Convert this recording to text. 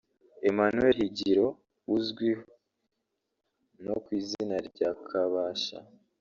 Emmanuel Higiro uzwi no ku izina rya Kabasha